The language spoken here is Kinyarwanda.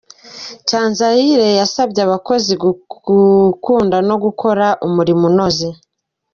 Cyanzayire yasabye abakozi gukunda no gukora umurimo unoze.